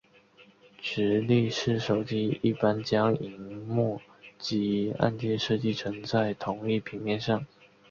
直立式手机一般将萤幕及按键设计成在同一平面上。